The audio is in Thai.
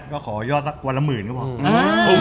ก็ขอยอดสักวันละหมื่นก็พอ